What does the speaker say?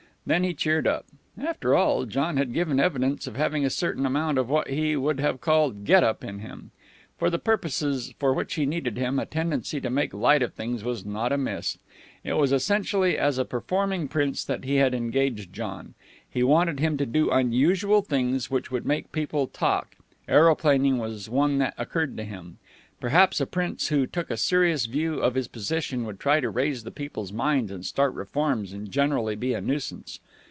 Then he cheered up. After all, John had given evidence of having a certain amount of what he would have called "get up" in him. For the purposes for which he needed him, a tendency to make light of things was not amiss. It was essentially as a performing prince that he had engaged John. He wanted him to do unusual things, which would make people talk aeroplaning was one that occurred to him. Perhaps a prince who took a serious view of his position would try to raise the people's minds and start reforms and generally be a nuisance.